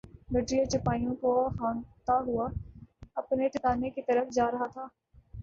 گڈریا چوپایوں کو ہانکتا ہوا اپنے ٹھکانے کی طرف جا رہا تھا۔